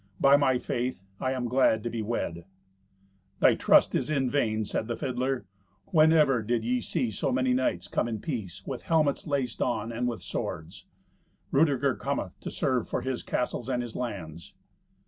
By my faith, I am glad to be wed." "Thy trust is vain," said the fiddler. "When ever did ye see so many knights come in peace, with helmets laced on, and with swords? Rudeger cometh to serve for his castles and his lands."